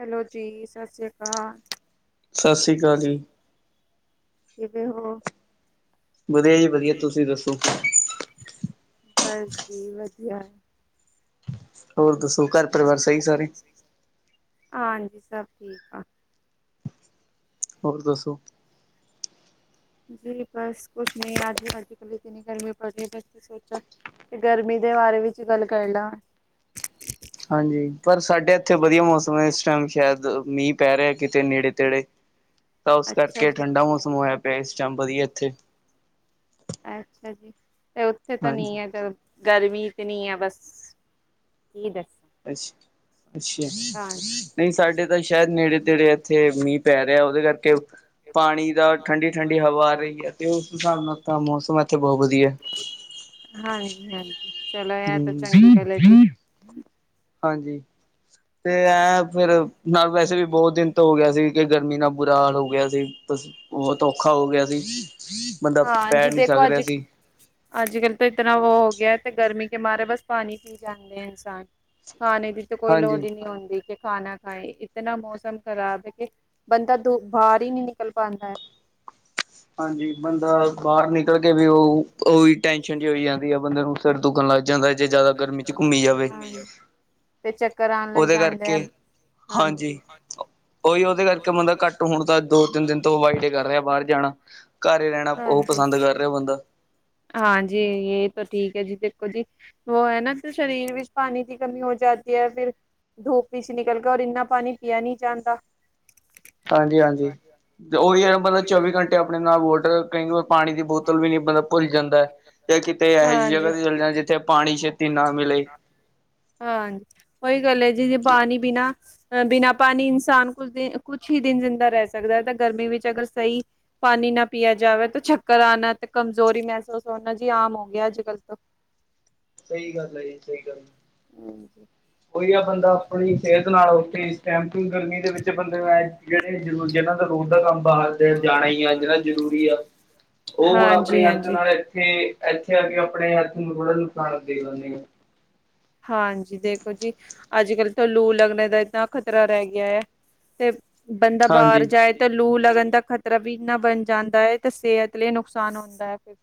Hello ਜੀ ਸਤਿ ਸ੍ਰੀ ਅਕਾਲ ਸਤਿ ਸ੍ਰੀ ਸਤ ਸ਼੍ਰੀ ਜੀ ਅਕਾਲ ਕਿਵੇ ਹੋ ਵਧੀਆ ਜੀ ਵਧੀਆ ਤੁਸੀਂ ਦੱਸੋ ਬਸ ਜ ਵਧੀਆ ਹੋਰ ਦੱਸੋ ਘਰ ਪਰਿਵਾਰ ਸਹੀ ਸਾਰੇ ਹਾਂਜੀ ਸਭ ਠੀਕ ਆ ਹੋਰ ਦੱਸੋ ਜੀ ਬਸ ਕੁਛ ਨਹੀਂ ਆਜ ਅੱਜ ਕੱਲ ਇਤਨੀ ਗਰਮੀ ਪੜ ਰਹੀ ਹੈ ਬਸ ਸੋਚਾ ਤੇ ਗਰਮੀ ਦੇ ਬਾਰੇ ਵਿੱਚ ਗੱਲ ਕਰ ਲਾ ਹਾਂਜੀ ਪਰ ਸਾਡੇ ਇੱਥੇ ਵਧੀਆ ਮੌਸਮ ਹੈ ਇਸ ਟਾਈਮ ਸ਼ਾਇਦ ਮੀਂਹ ਪੈ ਰਿਹਾ ਕਿਤੇ ਨੇੜੇ ਤੇੜੇ ਤਾਂ ਉਸ ਅੱਛਾ ਕਰਕੇ ਜੀ ਠੰਡਾ ਮੌਸਮ ਹੋਇਆ ਪਿਆ ਇਸ ਟਾਈਮ ਵਧੀਆ ਇੱਥੇ ਅੱਛਾ ਜੀ ਤੇ ਉੱਥੇ ਤਾਂ ਨੀ ਹਾਂਜੀ ਹੈ ਤੇ ਗਰਮੀ ਤੇ ਨ ਆ ਬਸ ਕੀ ਦੱਸਾਂ ਅੱਛ ਅੱਛਾ ਹਾਂਜੀ ਨਹੀਂ ਸਾਡੇ ਤਾਂ ਸ਼ਾਇਦ ਨੇੜੇ ਤੇੜੇ ਇੱਥੇ ਮੀਂਹ ਪੈ ਰਿਹਾ ਉਹਦੇ ਕਰਕੇ ਪਾਣੀ ਦਾ ਠੰਡੀ ਠੰਡੀ ਹਵਾ ਆ ਰਹੀ ਹੈ ਤੇ ਉਸ ਹਿਸਾਬ ਨਾਲ ਮੌਸਮ ਇੱਥੇ ਬਹੁਤ ਵਧੀਆ ਹੈ ਹਾਂਜੀ ਹਾਂਜੀ ਚਲੋ ਇਹ ਤਾਂ ਚੰਗੀ ਗੱਲ ਹੈ ਜੀ। ਹਮ ਹਾਂਜੀ। ਤੇ ਐਂ ਫੇਰ ਨਾਲ ਵੈਸੇ ਵੀ ਬਹੁਤ ਦਿਨ ਤੋਂ ਹੋ ਗਿਆ ਸੀ ਕਿ ਗਰਮੀ ਨਾਲ ਬੁਰਾ ਹਾਲ ਹੋ ਗਿਆ ਸੀ। ਬਤ ਔਖਾ ਹੋ ਗਿਆ ਸੀ ਬੰਦਾ ਪੈਰ ਨਹੀਂ ਸਕ ਰਿਹਾ ਸੀ ਅੱਜ ਕੱਲ੍ਹ ਤਾਂ ਇਤਨਾ ਵ ਹੋ ਗਿਆ ਤੇ ਗਰਮੀ ਕੇ ਮਾਰੇ ਬਸ ਪਾਣੀ ਪੀ ਜਾਂਦੇ ਹੈ ਇਨਸਾਨ। ਹਾਂ ਨਹੀਂ ਇਹਦੀ [inaudible] ਤੇ ਕੋਈ ਲੋੜ ਹਾਂਜੀ। ਹੀ ਨਹੀਂ ਹੁੰਦਾ ਦੀ ਖਾਣਾ ਖਾਏ ਇਤਨਾ ਮੌਸਮ ਖ਼ਰਾਬ ਹੈ ਕਿ ਬੰਦਾ ਦ ਬਾਹਰ ਹੀ ਨਹੀਂ ਨਿਕਲ ਪਾਉਂਦਾ ਹੈ ਹਾਂਜੀ ਬੰਦਾ ਬਾਹਰ ਨਿਕਲ ਕੇ ਵੀ ਉਹ ਉਹੀ ਟੈਨਸ਼ਨ ਜ ਹੋਈ ਜਾਂਦੀ ਆ ਬੰਦੇ ਨੂੰ ਸਿਰ ਦੁਖਨ ਲੱਗ ਜਾਂਦਾ ਜੇ ਜ਼ਿਆਦਾ ਗਰਮੀ ਚ ਘੁੰਮੀ ਜਾਵੇ ਹਾਂ ਤੇ ਚੱਕਰ ਆਉਣ ਲੱਗ ਉਹਦੇ ਜਾਂਦੇ ਆ ਕਰਕੇ ਹਾਂਜੀ ਉਹੀ ਉਹਦੇ ਕਰਕੇ ਬੰਦਾ ਘੱਟ ਹੁਣ ਤਾਂ ਦੋ ਤਿੰਨ ਦਿਨ ਤੋਂ ਅਵਾਈਡ ਹੀ ਕਰ ਰਿਹਾ ਬਾਹਰ ਜਾਣਾ ਘਰ ਰਹਿਣਾ ਉਹਹੁ ਪਸੰਦ ਕਰ ਰਿਹਾ ਹੋ ਬੰਦਾ ਹਾਂਜੀ ਇਹ ਤਾਂ ਠੀਕ ਹੈ ਜੀ ਦੇਖੋ ਜੀ। ਉਹ ਹੈ ਨਾ ਸਰੀਰ ਵਿੱਚ ਪਾਣੀ ਦੀ ਕਮੀ ਹੋ ਜਾਦੀ ਹੈ ਫਿਰ ਧੂਪ ਵਿੱਚ ਨਿਕਲ ਗਿਆ ਔਰ ਇੰਨਾ ਪਾਣੀ ਪੀਿਆ ਨਹੀਂੀ ਜਾਂਦਾ ਹਾਂਜੀ ਹਾਂਜੀ ਤੇ ਉਹੀ ਯ ਬਲ ਚੌਵੀ ਘੰਟੇ ਆਪਣੇ ਨਾਲ ਵੋਟਰ ਕਹਿੰ ਪਾਣੀ ਦੀ ਬੋਤਲ ਵੀ ਨਹੀਂ ਬੰਦਾ ਭੁੱਲ ਜਾਂਦਾ ਤੇ ਕਿਤੇ ਇਹੋ ਜਿਹੀ ਹਾਂਜੀ। ਜਲਗਾ ਤੇ ਚੱਲ ਜਾਂਣਾ ਜਿੱਥੇ ਪਾਣੀ ਛੇਤੀ ਨਾ ਮਿਲੇ। ਮਿਲੇ। ਹਾਂਜੀ ਉਹੀ ਗੱਲ ਜੀ ਜੇ ਪਾਣੀ ਬੀਨਾ ਅ ਬਿਨਾਂ ਪਾਣੀ ਇਨਸਾਨ ਕੁਛ ਦਿ ਕੁਛ ਹੀ ਦਿਨ ਜ਼ਿੰਦਾ ਰਹਿ ਸਕਦਾ ਹੈ ਤਾਂ ਗਰਮੀ ਵਿੱਚ ਅਗਰ ਸਹੀ ਪਾਣੀ ਨਾ ਪੀਿਆ ਜਾਵੇ ਤਾਂ ਚਕਰ ਆਉਣਾ ਤੇ ਕਮਜ਼ੋਰੀ ਮਹਿਸੂਸ ਹੋਣਾ ਜੀ ਆਮ ਹੋ ਗਿਆ ਅੱਜ ਕੱਲ ਤੋਂ ਸਹੀ ਗੱਲ ਹੈ ਜੀ ਸਹੀ ਗੱਲ। ਹਾਂਜੀ। ਕੋਈ ਆ ਬੰਦਾ ਆਪਣੀ ਸਿਹਤ ਨਾਲ ਉੱਥੇ ਸਟੈਂਪਿੰਗ ਗਰਮੀ ਦੇ ਵਿੱਚ ਬੰਦੇ ਨੂੰ ਜਿਹੜੇ ਜਿਹਨਾਂ ਦਾ ਰੋਡ ਦਾ ਕੰਮ ਬਾਹਰ ਜਾਣਾ ਹੀ ਆ ਜਨਾ ਜ਼ਰੂਰੀ ਆ ਉਹ ਹੁਣ ਹਾਂਜੀ ਆਪਣੀ ਅੰਤ ਹਾਂਜੀ। ਨਾਲ ਇੱਥੇ ਇੱਥੇ ਆ ਕੇ ਆਪਣੇ ਹੱਥ ਨੂੰੜ ਨੂੰ ਖਾਣਾ ਦੇ ਲਦੇ ਹਾਂ। ਹਾਂਜੀ ਦੇਖੋ ਜੀ ਅੱਜ ਕੱਲ ਤੋਂ ਲੂ ਲੱਗਣੇ ਦਾ ਇਨਾ ਖ਼ਤਰਾ ਰਹਿ ਗਿਆ ਹੈ ਤੇ ਬੰਦਾ ਬਾਹਰ ਹਾਂਜੀ, ਜਾਏ। ਤੇ ਲੂ ਲਗਣ ਦਾ ਖ਼ਤਰਾ ਵੀ ਇੰਨਾ ਬਣ ਜਾਂਦਾ ਹੈ ਤੇ ਸਿਹਤ ਲਈ ਨੁਕਸਾਨ ਹੁੰਦਾ ਹੈ ਫਿਰ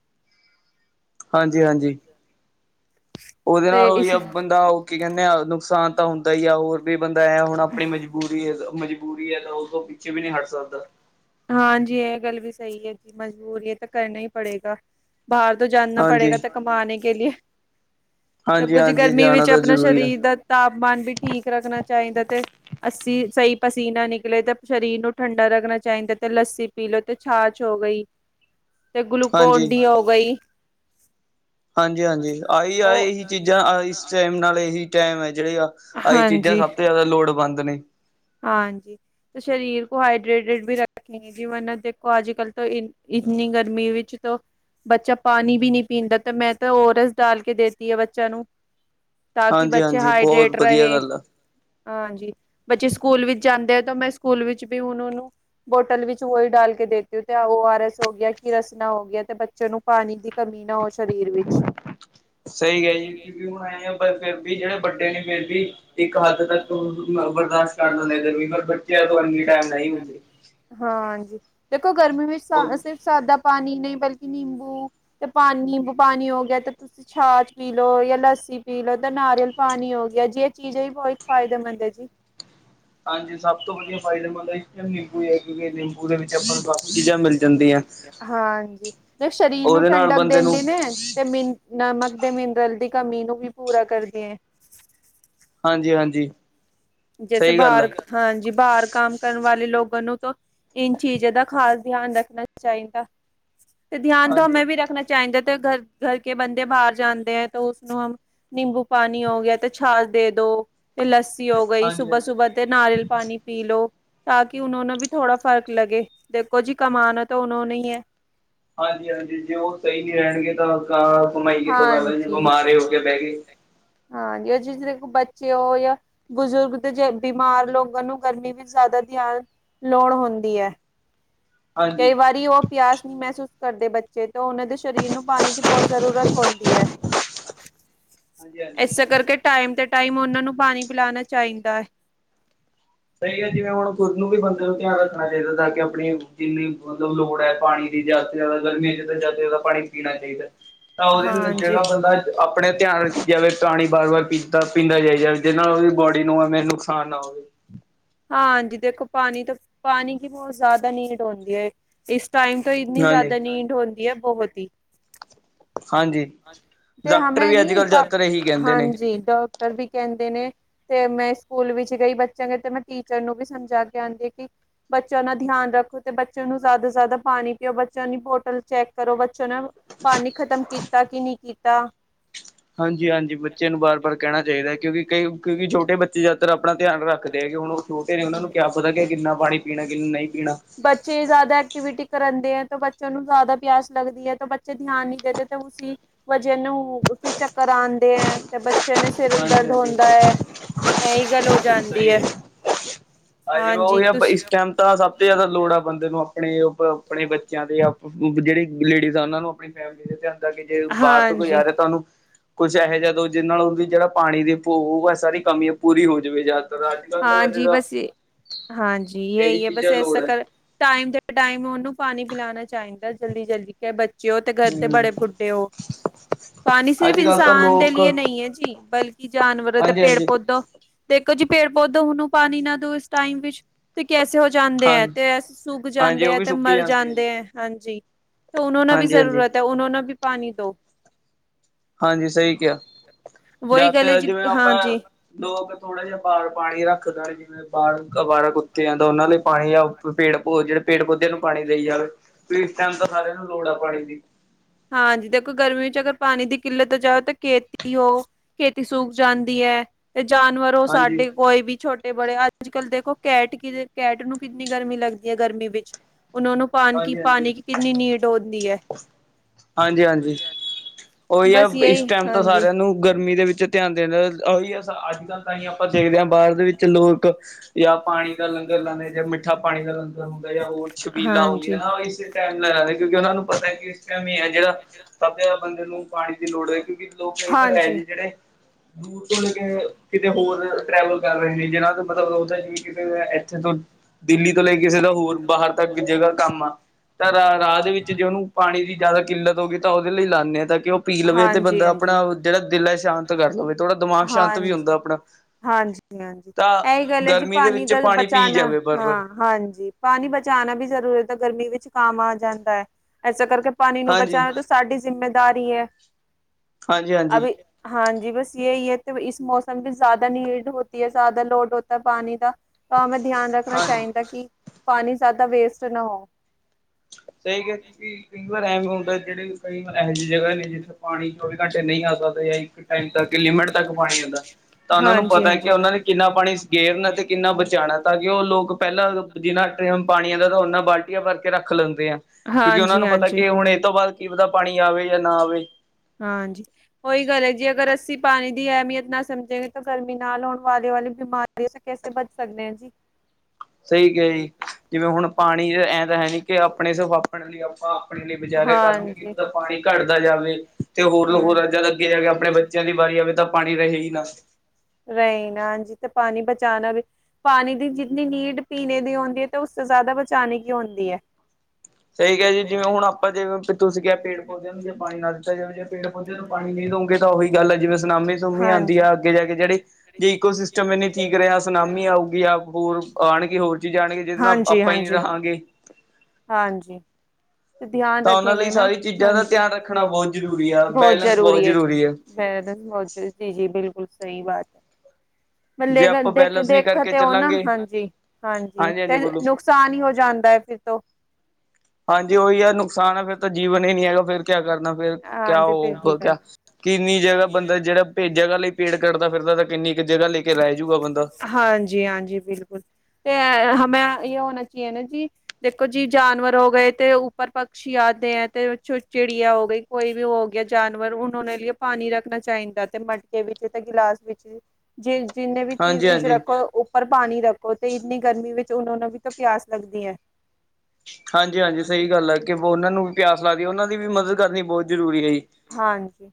ਹਾਂਜੀ ਹਾਂਜੀ। ਉਹਦੇ ਤੇ ਨਾਲ ਉਹੀ ਇਸ ਆ ਬੰਦਾ ਉਹ ਕੀ ਕਹਿੰਦੇ ਆ ਨੁਕਸਾਨ ਤਾਂ ਹੁੰਦਾ ਹੀ ਆ ਹੋਰ। ਵੀ ਬੰਦਾ ਐ ਹੁਣ ਆਪਣੀ ਮਜਬੂਰੀ ਹੈ ਮਜਬੂਰੀ ਹੈ ਤਾਂ ਉਹ ਤੋਂ ਪਿੱਛੇ ਵੀ ਨਹੀਂ ਹਟ ਸਕਦਾ। ਹਾਂਜੀ ਇਹ ਗੱਲ ਵੀ ਸਹੀ ਹੈ ਜੀ ਮਜਬੂਰੀ ਹੈ ਤਾਂ ਕਰਨਾ ਹੀ ਪੜੇਗਾ। ਬਾਹਰ ਤੋਂ ਜਾਨਨਾ ਹਾਂਜੀ ਪੜੇਗਾ ਤਾਂ ਕਮਾ ਕੇ ਲ ਤਾਂ ਹਾਂਜੀ ਕੁਝ ਹਾਂਜੀ ਗਰਮੀ ਜਾਣਾ ਵਿੱਚ ਤਾਂ ਆਪਣਾ ਜ਼ਰੂਰੀ ਆ ਸਰੀਰ ਦਾ ਤਾਪਮਾਨ ਵੀ ਠੀਕ ਰੱਖਣਾ ਚਾਹੀਦਾ ਤੇ ਅੱਸੀ ਸਹੀ ਪਸੀਨਾ ਨਿਕਲੇ ਤੇ ਸਰੀਰ ਨੂੰ ਠੰਡਾ ਰੱਖਣਾ। ਚਾਹੀਦਾ ਤੇ ਲੱਸੀ ਪੀ ਲੋਓ ਤੇ ਛਛ ਹੋ ਗਈ। ਤੇ ਗਲੂਕੋਨ ਹਾਂਜੀ ਡੀ ਹੋ ਗਈ। ਹਾਂਜੀ ਹਾਂਜੀ ਆਹੀ ਆ ਉਹ ਇਹੀ ਚੀਜ਼ਾਂ ਇਸ ਟਾਈਮ ਨਾਲ ਇਹੀ। ਟਾਈਮ ਹੈ ਜਿਹੜੇ ਆ ਆਹੀ ਚੀਜ਼ਾਂ ਹਾਂਜੀ ਸਭ ਤੋਂ ਜ਼ਿਆਦਾ ਲੋੜਵੰਦ ਨੇ ਹਾਂਜੀ ਤੇ ਸਰੀਰ ਕੋ ਹਾਈਡ੍ਰੇਟਡ ਵੀ ਰੱਖੇ। ਜਿਵੇ ਦੇਖੋ ਅੱਜ ਕੱਲ੍ਹ ਤਾਂ ਇ ਇੰਨੀ ਗਰਮੀ ਵਿੱਚ ਤਾਂ ਬੱਚਾ ਪਾਣੀ ਵੀ ਨਹੀਂ ਪੀਂਦਾ ਤੇ ਮੈਂ ਤਾਂ ਔਰਸ ਡਾਲ ਕੇ ਦੇਤੀ ਆ ਬੱਚਾ ਨੂੰ ਤਾਂ ਕਿ ਹਾਂਜੀ ਬੱਚੇ ਹਾਂਜੀ ਹਾਈਡ੍ਰੇਟ ਬਹੁਤ ਵਧੀਆ ਰਹੇ ਗੱਲ ਆ ਹਾਂਜੀ ਬੱਚੇ ਸਕੂਲ ਵਿੱਚ ਜਾਂਦੇ ਆ ਤਾਂ ਮੈਂ ਸਕੂਲ ਵਿੱਚ ਵੀ ਓਹਨਾ ਨੂੰ ਬੋਟਲ ਵਿੱਚ ਉਹੀ ਡਾਲ ਕੇ ਦੇਤੀ ਹੋ ਤੇ ਓ ਆਰ ਐਸ ਹੋ ਗਿਆ, ਕਿ ਰਸਨਾ ਹੋ ਗਿਆ, ਤੇ ਬ ਬੱਚੇ ਨੂੰ ਪਾਣੀ ਦੀ ਕਮੀ ਨਾ ਹੋ ਸਰੀਰ ਵਿੱਚ। ਸਹੀ ਹੈ ਜੀ ਕਿਉਂਕਿ ਹੁਣ ਐ ਫਿਰ ਵੀ ਜਿਹੜੇ ਵੱਡੇ ਨੇ ਫਿਰ ਵੀ ਇੱਕ ਹੱਦ ਤੱਕ ਬਰਦਾਸ਼ਤ ਕਰ ਲਏਗਾ ਕਈ ਵਾਰ ਬੱਚਿਆਂ ਤੋਂ ਇੰਨੀ ਟਾਈਮ ਨਹੀਂ ਹੁੰਦੀ। ਹਾਂਜੀ ਦੇਖੋ ਗਰਮੀ ਵਿੱਚ ਸਾ ਸਿਰਫ ਸਾਦਾ ਪਾਣੀ ਨਹੀਂ ਬਲਕਿ ਨਿੰਬੂ ਤੇ ਪਾ ਨਿੰਬੂ ਪਾਣੀ ਹੋ ਗਿਆ ਤੇ ਤੁਸੀਂ ਂਛਾਛ ਪੀ ਲਓ ਜਾਂ ਲੱਸੀ ਪੀ ਲਓ ਏਦਾਂ ਨਾਰੀਅਲ ਪਾਣੀ ਹੋ ਗਿਆ ਜੇ ਇਹ ਚੀਜ਼ ਹੈ ਬਹੁਤ ਫਾਇਦੇਮੰਦ ਹੈ ਜੀ। ਹਾਂਜੀ ਸਭ ਤੋਂ ਵਧੀਆ ਫਾਇਦੇ ਮੰਦ ਜੀ ਨਿੰਬੂ ਕਿ ਹਾਂਜੀ ਤੇ ਸਰੀਰ ਨੂੰ ਉਹਦੇ ਨਾਲ ਠੰਡਕ ਬੰਦੇ ਨੂੰ ਦਿੰਦੇ ਨੇ। ਤੇ ਮਿਨ ਨਮਕ ਦੇ ਮਿਨਰਲ ਦੀ ਕਮੀ ਨੂੰ ਵੀ ਪੂਰਾ ਕਰਦੀ ਹੈ। ਹਾਂਜੀ-ਹਾਂਜੀ ਜੈਸੇ ਸਹੀ ਗੱਲ ਬਾਹਰ ਆ ਹਾਂਜੀ ਬਾਹਰ ਕੰਮ ਕਰਨ ਵਾਲੇ ਲੋਕਾਂ ਨੂੰ ਤਾਂ ਇਨ ਚੀਜ਼ਾਂ ਦਾ ਖ਼ਾਸ ਧਿਆਨ ਰੱਖਣਾ ਚਾਹੀਦਾ ਤੇ ਧਿਆਨ ਤਾਂ ਹਾਂਜੀ, ਮੈਂ ਵੀ ਰੱਖਣਾ ਚਾਹੀਦਾ ਤੇ ਘਰ ਘਰ ਕੇ ਬੰਦੇ ਬਾਹਰ ਜਾਂਦੇ ਹੈ ਤਾਂ ਉਸਨੂੰ ਹਮ। ਨਿੰਬੂ ਪਾਣੀ ਹੋ ਗਿਆ ਤੇ ਛਾਛ ਦੇ ਦੋ ਤੇ ਲੱਸੀ ਹੋ ਗਈ ਸੁਬਾਹ ਹਾਂਜੀ-ਹਾਂਜੀ। ਸੁਬਾਹ ਤੇ ਨਾਰੀਅਲ ਪਾਣੀ ਪੀ ਲੋ। ਤਾਂ ਕੀ ਉਹ ਨੂੰ ਵੀ ਥੋੜਾ ਫ਼ਰਕ ਲੱਗੇ ਦੇਖੋ ਜੀ ਕਮਾਉਣਾ ਤਾਂ ਉਹਣੇ ਹੀ ਹੈ। ਹਾਂਜੀ ਹਾਂਜੀ ਜੇ ਉਹ ਸਹੀ ਨੀ ਰਹਿਣਗੇ ਤਾਂ ਕਮਾਈਏ ਤੋਂ ਪਹਿਲਾਂ ਜੇ ਹਾਂਜੀ ਬਿਮਾਰ ਹੋ ਕੇ ਬਹਿ ਗਏ। ਹਾਂਜੀ ਉਹ ਚੀਜ਼ ਦੇਖੋ ਬੱਚੇ ਹੋ ਜਾਂ। ਬਜ਼ੁਰਗ ਤੇ ਬਿਮਾਰ ਲੋਕਾਂ ਨੂੰ ਗਰਮੀ ਵਿੱਚ ਜ਼ਿਆਦਾ ਧਿਆਨ ਲੋੜ ਹੁੰਦੀ ਏ। ਕਈ ਹਾਂਜੀ, ਵਾਰੀ ਉਹ ਪਿਆਸ ਨਹੀਂ ਮਹਿਸੂਸ ਕਰਦੇ ਬੱਚੇ, ਤੇ ਉਹਨਾਂ ਦੇ ਸਰੀਰ ਨੂੰ ਪਾਣੀ ਦੀ ਬਹੁਤ ਜ਼ਰੂਰਤ ਹੁੰਦੀ ਹੈ। ਹਾਂਜੀ-ਹਾਂਜੀ। ਇਸੇ ਕਰਕੇ ਟਾਈਮ ਤੇ ਟਾਈਮ ਉਹਨਾ ਨੂੰ ਪਾਣੀ ਪਿਲਾਉਣਾ ਚਾਹੀਦਾ ਹੈ। ਸਹੀ ਹੈ ਜਿਵੇਂ ਹੁਣ ਖੁਦ ਨੂੰ ਵੀ ਬੰਦੇ ਨੂੰ ਧਿਆਨ ਰੱਖਣਾ ਚਾਹੀਦਾ ਤਾਂ ਕਿ, ਆਪਣੀ ਜਿੰਨੀ ਮਤਲਬ ਲੋੜ ਹੈ ਪਾਣੀ ਜ਼ਿਆਦਾ ਤੋਂ ਜ਼ਿਆਦਾ ਗਰਮੀਆਂ 'ਚ ਤਾਂ ਜ਼ਿਆਦਾ ਤੋਂ ਜ਼ਿਆਦਾ ਪਾਣੀ ਪੀਣਾ ਚਾਹੀਦਾ, ਤਾਂ ਉਹਦੇ ਹਾਂਜੀ। ਜਿਹੜਾ ਬੰਦਾ। ਆਪਣੇ ਧਿਆਨ ਰੱਖ ਜਾਵੇ, ਪਾਣੀ ਵਾਰ ਵਾਰ ਪੀਤਾ ਪੀਂਦਾ ਜਾਈ ਜਾਵੇ ਜਿਹਦੇ ਨਾਲ ਉਹਦੀ ਬੋਡੀ ਨੂੰ ਐਵੇਂ ਨੁਕਸਾਨ ਨਾ ਹੋਵੇ। ਹਾਂਜੀ, ਦੇਖੋ ਪਾਣੀ ਤਾਂ ਪਾਣੀ ਕੀ ਬਹੁਤ ਜ਼ਿਆਦਾ ਨੀਡ ਹੁੰਦੀ ਹੈ ਇਸ ਟਾਈਮ ਤੋਂ ਇੰਨੀ ਹਾਂਜੀ ਜ਼ਿਆਦਾ ਨੀਂਡ ਹੁੰਦੀ ਹੈ, ਬਹੁਤ ਹੀ ਹਾਂਜੀ ਤੇ ਡਾਕਟਰ ਹਮੈਂ ਵੀ ਅੱਜ ਨੀ, ਕੱਲ੍ਹ ਜ਼ਿਆਦਾਤਰ ਇਹੀ ਕਹਿੰਦੇ ਨੇ। ਹਾਂਜੀ। ਸਰ ਵੀ ਕਹਿੰਦੇ ਨੇ, ਤੇ ਮੈਂ ਸਕੂਲ ਵਿੱਚ ਗਈ ਬੱਚਿਆਂ ਦੇ ਤੇ ਮੈਂ ਟੀਚਰ ਨੂੰ ਵੀ ਸਮਝਾ ਕੇ ਆਉਂਦੀ ਹੈ ਕਿ ਬੱਚਿਆਂ ਦਾ ਧਿਆਨ ਰੱਖੋ, ਤੇ ਬੱਚਿਆਂ ਨੂੰ ਜ਼ਿਆਦਾ ਤੋਂ ਜ਼ਿਆਦਾ ਪਾਣੀ ਪੀਓ ਬੱਚਿਆਂ ਦੀ ਬੋਟਲ ਚੈੱਕ ਕਰੋ ਬੱਚਿਆਂ ਨੂੰ। ਪਾਣੀ ਖ਼ਤਮ ਕੀਤਾ ਕਿ ਨਹੀਂ ਕੀਤਾ ਹਾਂਜੀ ਹਾਂਜੀ, ਬੱਚਿਆਂ ਨੂੰ ਵਾਰ ਵਾਰ ਕਹਿਣਾ ਚਾਹੀਦਾ ਕਿਉਂਕਿ ਕਈ ਕਿਉਂਕਿ ਛੋਟੇ ਬੱਚੇ ਜ਼ਿਆਦਾਤਰ ਆਪਣਾ ਧਿਆਨ ਰੱਖਦੇ ਹੈ ਕਿ ਹੁਣ ਛੋਟੇ ਨੇ ਉਹਨਾ ਹਮ ਨੂੰ ਕਿਆ ਪਤਾ, ਕਿ ਕਿੰਨਾ ਪਾਣੀ ਪੀਣਾ ਕਿੰਨਾ ਨਹੀਂ ਪੀਣਾ ਬੱਚੇ ਜ਼ਿਆਦਾ ਐਕਟੀਵਿਟੀ ਕਰਨ ਦਯੈ ਹੈ ਤਾਂ, ਬੱਚੇ ਨੂੰ ਜ਼ਿਆਦਾ ਪਿਆਸ ਲੱਗਦੀ ਹੈ ਤਾਂ ਬੱਚੇ ਧਿਆਨ ਨਹੀਂ ਦੇਦੇ ਅਤੇ ਉਸਂ ਬੱਚਿਆਂ ਨੂੰ, ਫਿਰ ਚੱਕਰ ਆਉਂਦੇ ਹੈ। ਤੇ ਬੱਚਿਆਂ ਨੂੰ ਸਿਰ ਹਾਂਜੀ ਦਰਦ ਹਾਂਜੀ ਹੁੰਦਾ ਹੈ, ਇਹੀ ਗੱਲ ਹੋ ਜਾਂਦੀ ਹੈ- ਹਾਂਜੀ ਉਹੀ ਇਸ ਟਾਈਮ ਤਾਂ ਸਭ ਤੋਂ ਜ਼ਿਆਦਾ ਲੋੜ ਆ ਬੰਦੇ ਨੂੰ! ਆਪਣੇ ਆਪਣੇ ਬੱਚਿਆਂ ਦੇ, ਆਪ ਜਿਹੜੇ ਲੇਡੀਜ਼ ਆ ਉਹਨਾਂ ਨੂੰ ਆਪਣੀ ਫੈਮਿਲੀ ਦੇ ਜਿਆਦਾ ਜੇ ਬਾਹਰ ਤੋਂ ਕੋਈ ਆ ਹਾਂਜੀ ਰਿਹਾ, ਤੁ ਉਹਾਨੂੰ ਕੁਛ ਇਹੋ ਜਿਹਾ ਦੋ ਜਿਹ ਨਾਲ ਉਹਦੀ ਜਿਹੜਾ ਪਾਣੀ ਦੀ ਉਹ ਸਾਰੀ ਕਮੀ ਪੂਰੀ ਹੋ ਜਾਵੇ, ਜਦ ਹਾਂਜੀ, ਬਸ ਹਾਂਜੀ ਇਹੀ ਹੈ ਬਸ ਚੀਜ਼ਾਂ ਲੋੜ ਇਸੇ ਹੈ ਕਰ ਟਾਈਮ। ਟਾਈਮ ਉਹਨੂੰ ਪਾਣੀ ਪਿਲਾਉਣਾ ਚਾਹੀਦਾ ਜਲਦੀ ਜਲਦੀ, ਕ ਬੱਚੇ ਹੋ ਤੇ ਘਰ ਦੇ ਹਮ ਬੜੇ ਬੁੱਢੇ ਹੋ। ਪਾਣੀ ਸਿਰਫ਼ ਅੱਜ ਕੱਲ੍ਹ ਤਾਂ ਇਨਸਾਨ ਦੇ ਲੋਕ ਲਈ ਨਹੀਂ ਹੈ ਜੀ, ਬਲਕਿ ਜਾਨਵਰ ਅਤੇ ਹਾਂਜੀ ਪੇੜ ਹਾਂਜੀ ਪੌਦੇ। ਜਿ ਪੇੜ ਪੌਦੇ ਨੂੰ ਪਾਣੀ ਨਾ ਦਿਓ ਇਸ ਟਾਈਮ ਵਿੱਚ! ਤੇ ਕੈਸੇ ਹੋ ਜਾਂਦੇ ਹਾਂ ਹੈ ਤੇ ਸੁਕ ਹਾਂਜੀ ਜਾਂਦੇ ਉਹ ਆ, ਵੀ ਤੇ ਸੁੱਕੀ ਮਰ ਜਾਂਦੇ ਹੈ ਹਾਂਜੀ। ਤਾਂ ਉਹਨਾਂ ਨੂੰ ਵੀ ਹਾਂਜੀ ਹਾਂਜੀ ਜ਼ਰੂਰਤ ਹੈ ਉਹਨਾਂ ਨੂੰ ਵੀ ਪਾਣੀ ਦੋ ਹਾਂਜੀ ਸਹੀ ਕਿਹਾ, ਵਹੀ ਜਾ ਗੱਲ ਹੈ ਜੀ ਜਿਵੇਂ ਆਪਾਂ ਹਾਂਜੀ। ਲੋਕ ਥੋੜਾ ਜਿਹਾ ਬਾਹਰ ਪਾਣੀ ਰੱਖਦਾ, ਜਿਵੇਂ ਬਾਹਰ ਅਵਾਰਾ ਕੁੱਤੇ ਆ ਤਾਂ ਉਹਨਾਂ ਲਈ ਪਾਣੀ ਆ ਪੇੜ ਪ ਜਿਹੜੇ ਪੇੜ ਪੌਦੇੇ ਨੂੰ ਪਾਣੀ ਦੇਈ ਜਾਵੇ, ਵੀ ਇਸ ਟਾਈਮ ਤਾਂ ਸਾਰਿਆਂ ਨੂੰ ਲੋੜ ਆ ਪਾਣੀ ਦੀ। ਹਾਂਜੀ, ਦੇਖੋ ਗਰਮੀ ਵਿੱਚ ਅਗਰ ਪਾਣੀ ਦੀ ਕਿੱਲਤ ਜਾਓ ਤਾਂ ਖੇਤ ਕੀ ਹੋ ਖੇਤੀ ਸੁੂੱਕ ਜਾਂਦੀ ਹੈ ਤੇ ਜਾਨਵਰ, ਉਹ ਹਾਂਜੀ ਸਾਡੇ ਕੋਈ ਵੀ ਛੋਟੇ ਬਡੇ ਅੱਜ ਕੱਲ੍ਹ ਦੇਖੋ, ਕੈਟ ਕਿ ਕੈਟ ਨੂੰ ਕਿੰਨੀ ਗਰਮੀ ਲੱਗਦੀ ਹੈ ਗਰਮੀ ਵਿੱਚ ਉਹਨਾਂ ਨੂੰ ਪਾਨ ਕੀ ਹਾਂਜੀ ਹਾਂਜੀ ਪਾਣੀ ਕਿ ਕਿੰਨੀ ਨੀਡ ਹੁੰਦੀ ਹੈ। ਹਾਂਜੀ ਹਾਂਜੀ, ਉਹੀ ਹੈ ਬਸ ਇਸ ਯਹੀ ਟਾਈਮ ਤਾਂ ਹਾਂਜੀ। ਸਾਰਿਆਂ ਨੂੰ। ਗਰਮੀ ਦੇ ਵਿੱਚ ਧਿਆਨ ਦੇਿੰਦੇ ਉਹੀ ਅ, ਅੱਜ ਕੱਲ ਤਾਂ ਹੀ ਆਪਾਂ ਦੇਖਦੇ ਹਾਂ ਬਾਹਰ ਦੇ ਵਿੱਚ ਲੋਕ ਜਾਂ ਪਾਣੀ ਦਾ ਲੰਗਰ ਲਾਉਦੇ ਜਾਂ ਮਿੱਠਾ ਪਾਣੀ ਦਾ ਲੰਗਰ ਹੁੰਦਾ ਜਾਂ ਹੋਰ ਛਬੀਲਾ ਹੁੰਦੀਆਂ ਹਾਂਜੀ। ਨਾ ਇਸੇ। ਟੈਮ ਨਾਲੇ ਲੈਲੇ ਕਿਉਂਕਿ ਉਹਨਾ ਨੂੰ ਪਤਾ, ਕਿ ਇਸ ਟਾਈਮ ਹੀ ਹੈ ਜਿਹੜਾ ਸਭ ਜ਼ਿਆਦਾ ਬੰਦੇ ਨੂੰ ਪਾਣੀ ਦੀ ਲੋੜ ਹੋ ਹੈ ਕਿਉਂਕ ਲੋਕ ਕਈ ਵਾਰ ਹੈ ਹਾਂਜੀ। ਜੇ ਜਿਹੜੇ, ਦੂਰ ਕਿਤੇ ਹੋਰ ਟਰੈਵਲ ਕਰ ਰਹੇ ਨੇ, ਜਿਹਨਾਂ ਦਾ ਮਤਲਬ ਉਹਦਾ ਜ ਕਿਤੇ ਇੱਥੇ ਤੋਂ ਦਿੱਲੀ ਤੋਂ ਲੈ ਕਿਸੇ ਦਾ ਹੋਰ ਬਾਹਰ ਤੱਕ ਜਗ੍ਹਾ ਕੰਮ ਆ ਤਾਂ ਰਾਤ ਜੇ ਉਹਨੂੰ ਪਾਣੀ ਦੀ ਜ਼ਿਆਦਾ ਕਿੱਲਤ ਹੋ ਗਈ, ਤਾਂ ਉਹਦੇ ਲਈ ਲਾਉਂਦੇ ਹਾਂ ਤਾਂ ਕਿ ਉਹ ਪੀ ਲਵੇ ਤੇ ਬੰਦਾ ਆਪਣਾ ਜਿਹੜਾ ਦਿਲ ਹੈ ਸ਼ਾਂਤ ਕਰ ਲਵੇ, ਥੋੜਾ ਹਾਂਜੀ, ਦਿਮਾਗ ਸ਼ਾਂਤ ਵੀ ਹੁੰਦਾ ਆਪਣਾ ਹਾਂਜੀ ਹਾਂਜੀ, ਤਾਂ ਇਹੀ ਗੱਲ ਹੈ ਜੀ ਗਰਮੀ ਦੇ ਪਾਣੀ ਵਿੱਚ ਦਾ ਪੀ ਬਚਾਨਣਾ ਜਾਵੇ ਬਰ ਬਰ ਹਾਂ ਹਾਂਜੀ ਪਾਣੀ ਬਚਾਉਣਾ ਵੀ ਜ਼ਰੂਰੀਤ ਗਰਮੀ ਵਿੱਚ ਕਮ ਆ ਜਾਂਦਾ ਹੈ, ਇਸੇ ਕਰਕੇ ਪਾਣੀ ਨੂੰ ਹਾਂਜੀ ਬਚਾਉਣ ਤੇ ਸਾਡੀ ਜਿੰਮੇਦਾਰੀ ਹੈ, ਹਾਂਜੀ ਹਾਂਜੀ ਅਭੀ ਹਾਂਜੀ ਬਸ ਇਹ ਤਾਂ ਇਸ ਮੌਸਮ ਪ ਜ਼ਿਆਦਾ ਨੀਡ ਹੋਤੀ ਹੈ, ਜ਼ਿਆਦਾ ਲੋਡ ਹੋਤਾ ਹੈ ਪਾਣੀ ਦਾ ਤਾਂ ਹਮੈਂ ਧਿਆਨ ਰੱਖਣਾ ਹਾਂਜੀ ਚਾਹੀਦਾ ਕਿ, ਪਾਣੀ ਜ਼ਿਆਦਾ ਵੇਸਟ ਨਾ ਹੋ। ਸਹੀ ਕਿਹਾ ਕਈ ਵਾਰ ਐਵੇਂ ਹੁੰਦੈ ਜਿਹੜੇ ਕਈ ਵਾਰ ਇਹੋ ਜਿਹੀ ਜਗ੍ਹਾ ਨੇ ਜਿੱਥੇ ਪਾਣੀ ਚੌਵੀ ਘੰਟੇ ਨਹੀਂ ਆ ਸਕਦੇ ਜਾਂ ਟਾਇਮ ਤੱਕ ਲਿਮਿਟ ਤੱਕ ਪਾਣੀ ਆਂਦਾ ਤਾਂ ਉਹਨਾਂ ਨੂੰ ਹਾਂਜੀ ਪਤਾ ਕਿ ਹਾਂਜੀ। ਉਹਨਾਂ ਨੇ ਕਿੰਨਾ ਪਾਣੀ ਕੇਰਨਾ ਤੇ ਕਿੰਨਾ ਬਚਾਣਾ ਤਾਂ ਕਿ ਉਹ ਲੋਕ ਪਹਿਲਾਂ ਜਿੰਨਾ ਟੈਮ ਪਾਣੀ ਆਂਦੈ ਤਾਂ ਉਹਨਾਂ ਬਾਲਟੀਆਂ ਭਰ ਕੇ ਰੱਖ ਲੈਂਦੇ ਆ ਕਿਉਂਕਿ ਉਹਨਾਂ ਹਾਂਜੀ ਨੂੰ ਪਤਾ ਹਾਂਜੀ ਕਿ ਹੁਣ ਇਹ ਤੋਂ ਬਾਅਦ ਕਿ ਪਤਾ ਪਾਣੀ ਆਵੇ ਯਾ ਨਾ ਆਵੇ ਹਾਂਜੀ। ਉਹੀ ਗੱਲ ਹੈ ਜੀ ਅਗਰ ਅਸੀਂ ਪਾਣੀ ਦੀ ਅਹਿਮੀਅਤ ਨਾ ਸਮਝੇ ਤਾਂ ਗਰਮੀ ਨਾਲ ਹੋਣ ਵਾਲੇ ਵਾਲੀ ਬਿਮਾਰੀ ਕੈਸੇ ਬਚ ਸਕਦੇ ਹਾਂ ਜੀ ਸਹੀ ਕਿਹਾ ਜੀ ਜਿਵੇਂ ਹੁਣ ਪਾਣੀ ਐਂ ਤਾਂ ਹੈ ਨੀ ਕਿ ਆਪਣੇ ਸਭ ਆਪਣ ਲਈ ਆਪਾਂ ਆਪਣੇ ਲਈ ਵਿਚਾਰੇ ਕਲ ਨੂੰ ਕੀ ਪਤਾ ਪਾਣੀ ਘੱਟਦਾ ਜਾਵੇ ਤੇ ਹੋਰ ਹੋਰ ਹਾਂਜੀ। ਜ਼ਿਆਦਾ ਕੀ ਆ ਕੇ ਆਪਣੇ ਬੱਚਿਆਂ ਦੀ ਵਾਰੀ ਆਵੇ ਤਾਂ ਪਾਣੀ ਰਹੇ ਹੀ ਨਾ ਰਹੇ ਨਾ ਹਾਂਜੀ ਤੇ ਪਾਣੀ ਬਚਾਣਾ ਵੀ। ਪਾਣੀ ਦੀ ਜਿਤਨੀ ਨੀਡ ਪੀਣੇ ਦੀ ਹੁੰਦੀ ਹੈ ਤੇ ਉਸ ਤੋਂ ਜ਼ਿਆਦਾ ਬਚਾਨੇ ਕੀ ਹੁੰਦੀ ਹੈ। ਸਹੀ ਕਿਹਾ ਹੈ ਜੀ ਜਿਵੇਂ ਹੁਣ ਆਪਾਂ ਜਿਵੇ ਵੀ ਤੁਸੀਂ ਕਿਹਾ ਪੇੜ ਪੌਦਿਆਂ ਨੂੰ ਜੇ ਪਾਣੀ ਨਾ ਦਿੱਤਾ ਜਾਵੇ ਜੇ ਪੇੜ ਪੌਦਿਆਂ ਨੂੰ ਪਾਣੀ ਨਹੀਂ ਤਾਂ ਉਹੀ ਗੱਲ ਜਿਵੇ ਸੁਨਾਮੀ ਸਨੁਮੀ ਆਂਦੀ ਐ। ਅੱਗੇ ਜਾ ਕੇ ਜਿਹੜੇ ਜੇ ਈਕੋ ਸਿਸਟਮ ਇੰਨੇ ਠੀਕ ਰਿਹਾ ਸੁਨਾਮੀ ਆਊਗੀ ਆਪ ਹੋਰ ਆਣ ਕੇ ਹੋਰ ਜਾਣਗੇ ਜਿਸ ਨਾਲ ਇਹੀ ਆਪਾਂ ਹੀ ਨਹੀਂ ਰਹਾਂਗੇ। ਹਾਂਜੀ ਤੇ ਧਿਆਨ ਤਾਂ ਉਹਨਾਂ ਰੱਖੇਗੇ ਲਈ ਨਾ ਸਾਰੀ ਚੀਜ਼ਾਂ ਦਾ ਹਾਂਜੀ ਧਿਆਨ ਰੱਖਣਾ ਬਹੁਤ ਜ਼ਰੂਰੀ ਆ ਬਹੁਤ ਬੈਲੈਂਸ ਜਰੂਰੀ ਹੈ ਜੀ ਜ਼ਰੂਰੀ ਫਾਈਦਾ ਤੇ ਮੌਜ ਜੀ ਜੀ ਬਿਲਕੁਲ ਸਹੀ ਬਾਤ ਹੈ। ਜੇ ਮਤ ਆਪਾਂ ਦੇਖ ਬੈਲੈਂਸ ਨਹੀਂ ਦੇਖ ਕਰਕੇ ਤੇ ਹੋ ਨਾ ਚੱਲਾਂਗੇ ਹਾਂਜੀ ਹਾਂਜੀ ਤੇ ਨੁਕਸਾਨ ਹੀ ਹੋ ਜਾਂਦਾ ਹੈ ਫਿਰ ਤੋਂ ਹਾਂਜੀ ਉਹੀ ਹੈ ਨੁਕਸਾਨ ਹੈ ਫੇਰ ਤਾਂ ਜੀਵਨ ਹੀ ਨਹੀਂ ਹੈਗਾ ਫੇਰ ਕਿਆ ਕਰਨਾ। ਫਿਰ ਕਿਆ ਹਾਂਜੀ ਫਿਰ ਕੀ ਉਹ ਕਿਆ ਕਰਨਾ ਕਿ ਇੰਨੀ ਜਗ੍ਹਾ ਬੰਦਾ ਜਿਹੜਾ ਜਗ੍ਹਾ ਲਈ ਪੇੜ ਕੱਟਦਾ ਫਿਰਦਾ ਹੈ। ਕਿੰਨੀ ਕੁ ਜਗ੍ਹਾ ਲੈ ਕੇ ਰਹਿ ਜੂਗਾ ਬੰਦਾ। ਹਾਂਜੀ ਹਾਂਜੀ ਬਿਲਕੁਲ ਤੇ ਹਮੈਂ ਇਹ ਹੋਣਾ ਚਾਹੀਏ ਨਾ ਜੀ। ਦੇਖੋ ਜੀ ਜਾਨਵਰ ਹੋ ਗਏ ਤੇ ਉੱਪਰ ਪੱਕਸ਼ੀ ਆਦੇ ਹੈ ਤੇ ਚਿੜੀਆ ਹੋ ਗਈ। ਕੋਈ ਵੀ ਹੋ ਗਿਆ ਜਾਨਵਰ ਹੁਣ ਉਹਨੋ ਲਈ ਪਾਣੀ ਰੱਖਣਾ ਚਾਹੀਦਾ ਤੇ ਮਟਕੇ ਵਿੱਚ ਤੇ ਗਿਲਾਸ ਵਿੱਚ ਜੇ ਜਿੰਨੇ ਵੀ ਚੀਜ਼ ਹਾਂਜੀ ਵਿੱਚ ਹਾਂਜੀ ਰੱਖੋ ਓ ਪਰ ਪਾਣੀ ਰੱਖੋ ਤੇ ਇੰਨੀ ਗਰਮੀ ਵਿੱਚ ਉਹ ਨੂੰ ਵੀ ਤਾਂ ਪਿਆਸ ਲੱਗਦੀ ਹੈ ਹਾਂਜੀ ਹਾਂਜੀ ਸਹੀ ਗੱਲ ਹੈ ਕਿ ਉਹਨਾਂ ਨੂੰ ਵੀ ਪਿਆਸ ਲਾ ਦੀ ਉਹਨਾਂ ਦੀ ਵੀ ਮਦਦ ਕਰਨੀ ਬਹੁਤ ਜ਼ਰੂਰੀ ਹੈ ਜੀ ਹਾਂਜੀ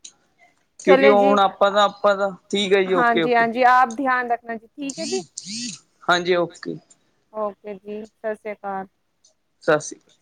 ਕਿਉਂਕਿ ਚਲੇ ਜੀ ਹੁਣ ਆਪਾਂ ਤਾਂ ਆਪਾਂ ਤਾਂ ਠੀਕ ਹੈ ਜੀ ਓਕੇ ਹਾਂਜੀ ਓਕੇ ਹਾਂਜੀ ਆਪ ਧਿਆਨ ਰੱਖਣਾ ਜੀ ਠੀਕ ਹੈ ਜੀ ਹਾਂਜੀ ਓਕੇ ਓਕੇ ਜੀ ਸਤਿ ਸ੍ਰੀ ਅਕਾਲ ਸਤਿ ਸ਼੍ਰੀ